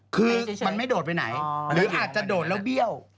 คือมันไม่โดดไปไหนหรืออาจจะโดดแล้วเบี้ยว